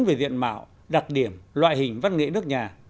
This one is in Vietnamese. về diện mạo đặc điểm loại hình văn nghệ nước nhà